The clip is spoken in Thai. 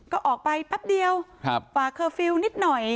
ก็ออกไปแป๊บเดียวฝากเคอร์ฟิลล์นิดหน่อย